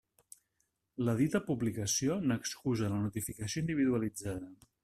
La dita publicació n'excusa la notificació individualitzada.